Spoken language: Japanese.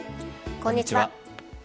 こんにちは。